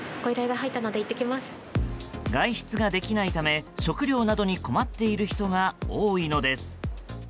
外出ができないため食料などに困っている人が多いのです。